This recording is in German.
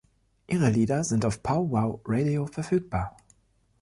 Ihre Lieder sind auf Pow Wow Radio verfügbar.